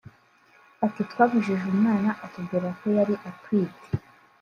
Ati “Twabajije umwana atubwira ko yari atwite